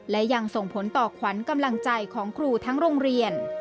และยังส่งผลต่อขวัญกำลังใจของครูทั้งโรงเรียน